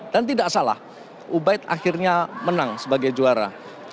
dan tidak salah ubaid akhirnya menang sebagai juara